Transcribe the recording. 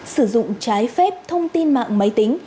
sử dụng trái phép thông tin mạng máy tính